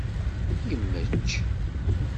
Yemmečč.